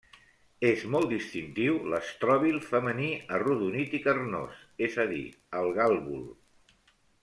És molt distintiu l'estròbil femení arrodonit i carnós, és a dir el gàlbul.